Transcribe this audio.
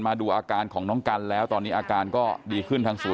มาดูอาการของน้องกันแล้วตอนนี้อาการก็ดีขึ้นทางศูน